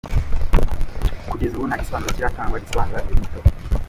Kugeza ubu nta gisobanuro kiratangwa gisobanura iyo nyito.